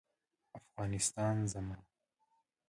افغانستان زما